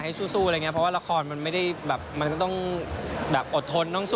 ไปชิดกระดิ่งเพิ่มชุดเงินคำนั้นด้วยกัน